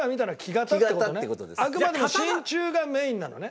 あくまでも真鍮がメインなのね？